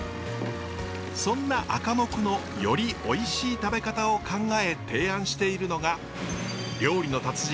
そんなアカモクのよりおいしい食べ方を考え提案しているのが料理の達人